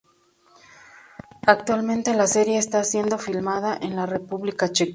Actualmente la serie está siendo filmada en la República Checa.